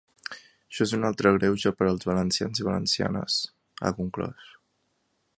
Això és un altre greuge per als valencians i valencianes, ha conclòs.